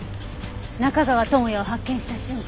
中川智哉を発見した瞬間